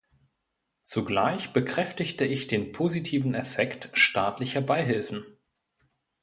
Zugleich bekräftige ich den positiven Effekt staatlicher Beihilfen.